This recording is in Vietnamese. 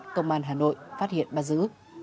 công an hà nội phát hiện bắt giữ